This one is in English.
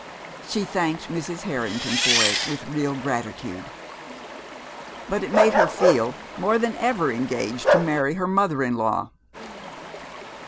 She thanked Mrs. Harrington for it with real gratitude. But it made her feel more than ever engaged to marry her mother in law.